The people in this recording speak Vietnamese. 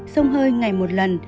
sông hơi ngày một lần